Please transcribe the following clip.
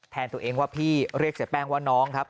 แทนตัวเองว่าพี่เรียกเสียแป้งว่าน้องครับ